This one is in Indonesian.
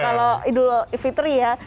kalau idul fitri ya